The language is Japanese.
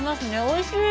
おいしい。